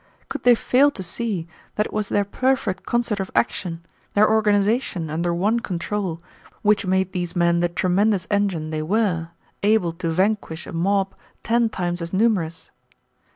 Could they fail to see that it was their perfect concert of action, their organization under one control, which made these men the tremendous engine they were, able to vanquish a mob ten times as numerous?